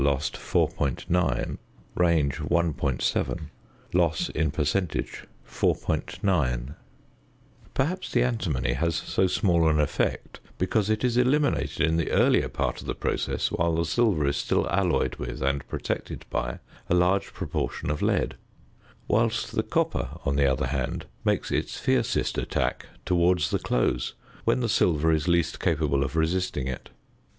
7 4.9 Perhaps the antimony has so small an effect because it is eliminated in the earlier part of the process, while the silver is still alloyed with, and protected by, a large proportion of lead; whilst the copper on the other hand makes its fiercest attack towards the close, when the silver is least capable of resisting it.